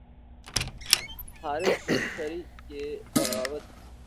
Haris bin Shuraih کی بغاوت